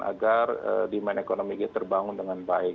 agar demand ekonomi terbangun dengan baik